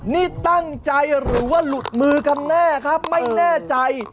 นี่ตั้งใจหรือว่าหลุดมือกันแน่ครับไม่แน่ใจ